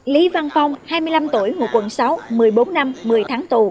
lý văn phong hai mươi năm tuổi ngụ quận sáu một mươi bốn năm một mươi tháng tù